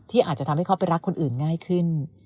อาจจะทำให้เขาไปรักคนอื่นง่ายขึ้น